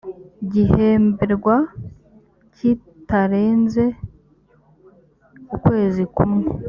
gihemberwa kitarenze ukwezi kumwe